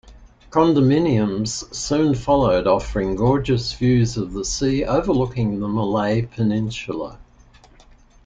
Condominiums soon followed, offering gorgeous views of the sea overlooking the Malay Peninsula.